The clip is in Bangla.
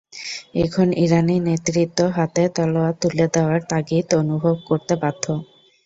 এখন ইরানি নেতৃত্ব হাতে তলোয়ার তুলে নেওয়ার তাগিদ অনুভব করতে বাধ্য।